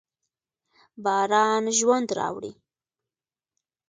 باران ژوند راوړي.